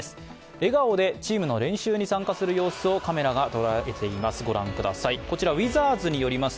笑顔でチームの練習に参加する様子をカメラが捉えています。